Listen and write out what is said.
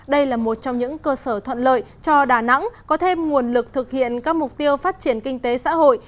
đây là một trong những cơ sở thuận lợi cho đà nẵng có thêm nguồn lực thực hiện các mục tiêu phát triển kinh tế xã hội